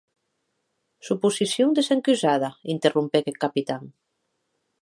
Suposicion desencusada, interrompec eth Capitan.